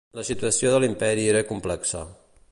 La situació de l'Imperi era complexa.